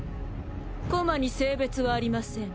駒に性別はありません